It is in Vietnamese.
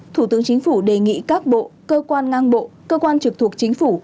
thủ tướng chính phủ đề nghị các bộ cơ quan ngang bộ cơ quan trực thuộc chính phủ